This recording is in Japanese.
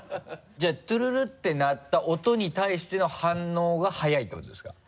じゃあ「トゥルル」って鳴った音に対しての反応が速いってことですか？